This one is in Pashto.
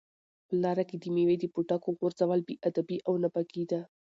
په لاره کې د مېوې د پوټکو غورځول بې ادبي او ناپاکي ده.